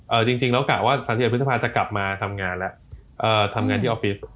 เออจริงแล้วกะว่า๓๑พฤษภาจะกลับมาทำงานแล้วทำงานที่ออฟฟิศ